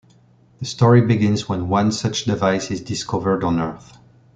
The story begins when one such device is discovered on Earth.